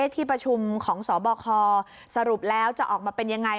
ที่ประชุมของสบคสรุปแล้วจะออกมาเป็นยังไง